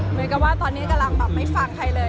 เหมือนกับว่าตอนนี้กำลังแบบไม่ฟังใครเลย